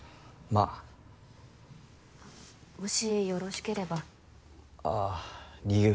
まあもしよろしければああ理由？